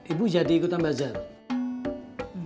ibu jadi ikutan bazarnya